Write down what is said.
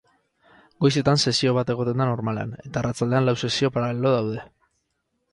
Goizetan sesio bat egoten da normalean, eta arratsaldean lau sesio paralelo daude.